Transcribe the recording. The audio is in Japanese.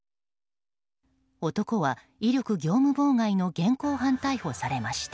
男は、威力業務妨害で現行犯逮捕されました。